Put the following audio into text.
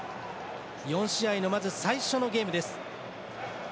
４試合の最初のゲームです。